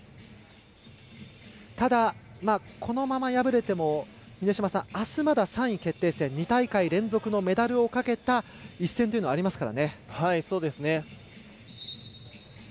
ただ、このまま敗れてもあす、まだ３位決定戦２大会連続のメダルをかけた一戦というのはありますから。